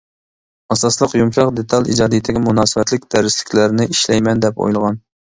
ئاساسلىق يۇمشاق دېتال ئىجادىيىتىگە مۇناسىۋەتلىك دەرسلىكلەرنى ئىشلەيمەن دەپ ئويلىغان.